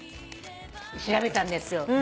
調べたんですよ。